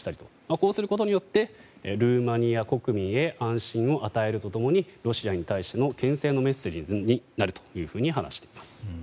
こうすることによってルーマニア国民へ安心を与えると共にロシアに対しての牽制のメッセージになると話しています。